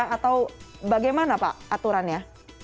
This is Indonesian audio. atau bagaimana pak aturannya